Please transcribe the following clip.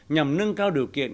nhằm nâng cao điều kiện